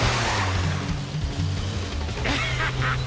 ハハハハ！